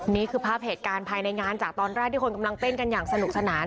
นี่คือภาพเหตุการณ์ภายในงานจากตอนแรกที่คนกำลังเต้นกันอย่างสนุกสนาน